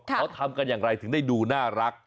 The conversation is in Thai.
เขาทำกันอย่างไรถึงได้ดูน่ารัก